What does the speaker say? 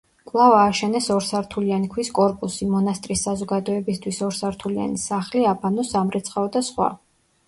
კვლავ ააშენეს ორსართულიანი ქვის კორპუსი, მონასტრის საზოგადოებისთვის ორსართულიანი სახლი, აბანო, სამრეცხაო და სხვა.